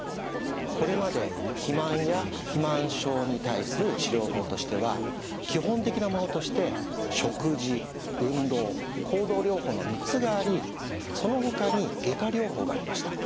これまで肥満や肥満症に対する治療法としては基本的なものとして食事運動行動療法の３つがありそのほかに外科療法がありました。